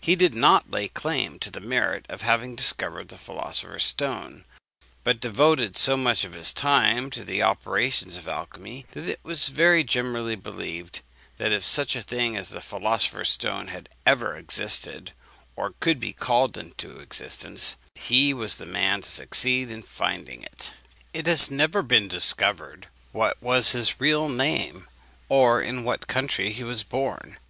He did not lay claim to the merit of having discovered the philosopher's stone; but devoted so much of his time to the operations of alchymy, that it was very generally believed, that if such a thing as the philosopher's stone had ever existed, or could be called into existence, he was the man to succeed in finding it. It has never yet been discovered what was his real name, or in what country he was born.